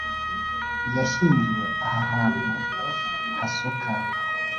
yashyingiwe aha hantu hasuka,